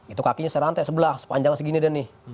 itu kakinya serantai sebelah sepanjang segini deh nih